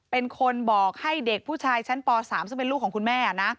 เป็นคนบอกให้เด็กผู้ชายชั้นป๓ซึ่งเป็นลูกของคุณแม่นะ